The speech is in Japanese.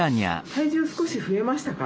体重少し増えましたか？